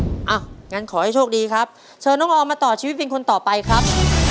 อย่างนั้นขอให้โชคดีครับเชิญน้องออมมาต่อชีวิตเป็นคนต่อไปครับ